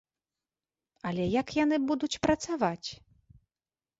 Але як яны будуць працаваць?